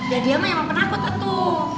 ya dia mah yang penakut itu